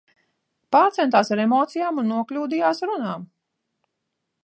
Pārcentās ar emocijām un nokļūdījās runā!